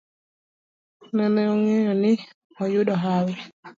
Nene ong'eyo ni oyudo hawi